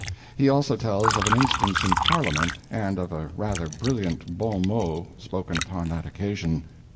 He also tells of an instance in parliament, and of a rather brilliant bon mot spoken upon that occasion.